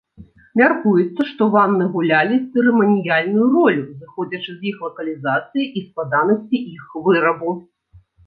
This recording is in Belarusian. Мяркуецца, што ванны гулялі цырыманіяльную ролю, зыходзячы з іх лакалізацыі і складанасці іх вырабу.